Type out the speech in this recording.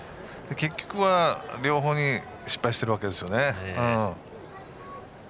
結局は両方に失敗しているわけですよね。